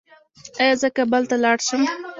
ایا زه کابل ته لاړ شم؟